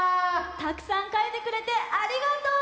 たくさんかいてくれてありがとう！